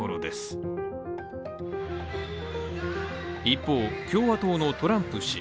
一方、共和党のトランプ氏。